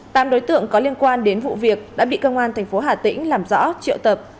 tạm đối tượng có liên quan đến vụ việc đã bị cơ quan thành phố hà tĩnh làm rõ triệu tập